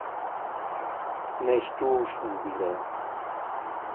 Nicht du schon wieder!